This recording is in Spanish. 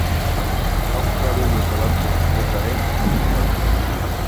Ha jugado en Eslovaquia, Israel e Italia.